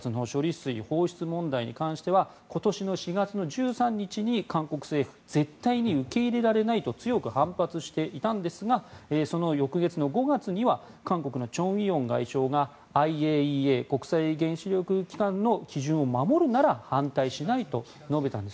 水放出問題に関しては今年４月１３日には韓国政府絶対に受け入れられないと強く反発していたんですがその翌月、５月には韓国のチョン・ウィヨン外相がＩＡＥＡ・国際原子力機関の基準を守るなら反対しないと述べたんです。